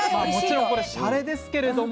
もちろんこれしゃれですけれども。